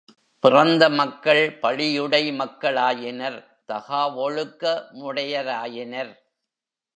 பிறந்த மக்கள், பழியுடை மக்களாயினர் தகாவொழுக்க முடையராயினர்.